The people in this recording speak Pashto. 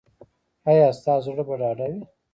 ایا ستاسو زړه به ډاډه وي؟